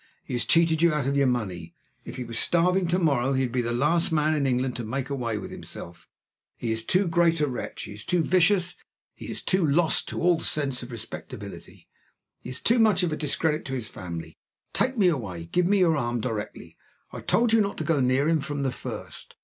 He has cheated you out of your money. If he was starving tomorrow he would be the last man in England to make away with himself he is too great a wretch he is too vicious he is too lost to all sense of respectability he is too much of a discredit to his family. Take me away! Give me your arm directly! I told you not to go near him from the first.